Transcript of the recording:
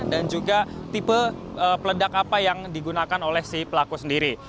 juga tipe peledak apa yang digunakan oleh si pelaku sendiri